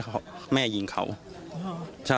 แล้วเมื่อคืนเขาก่อเหตุ